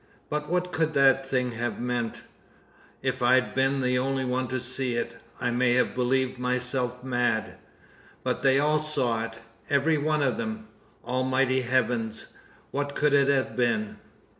But what could that thing have meant? If I'd been the only one to see it, I might have believed myself mad. But they all saw it every one of them. Almighty heavens! what could it have been?"